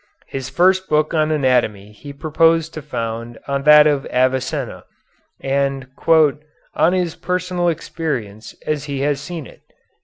His first book on anatomy he proposed to found on that of Avicenna and "on his personal experience as he has seen it."